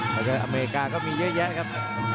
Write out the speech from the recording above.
แล้วก็อเมริกาก็มีเยอะแยะครับ